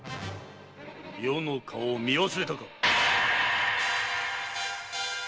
余の顔を見忘れたか！